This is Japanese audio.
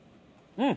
うん。